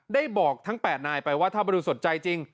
ได้บอกทั้ง๘นายไปว่าถ้าบริวสดใจจริง